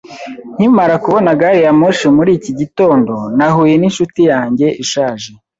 Nkimara kubona gari ya moshi muri iki gitondo, nahuye ninshuti yanjye ishaje.